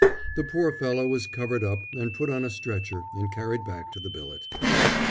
The poor fellow was covered up and put on a stretcher and carried back to the billet.